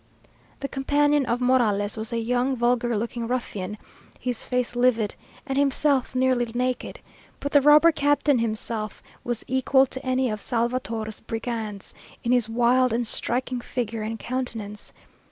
The companion of Morales was a young, vulgar looking ruffian, his face livid, and himself nearly naked; but the robber captain himself was equal to any of Salvator's brigands, in his wild and striking figure and countenance.